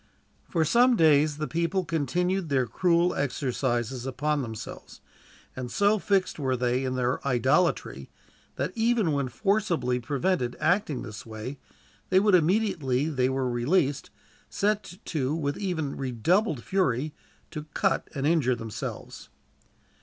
For some days the people continued their cruel exercises upon themselves, and so fixed were they in their idolatry that, even when forcibly prevented acting this way, they would, immediately they were released, set to with even redoubled fury to cut and injure themselves.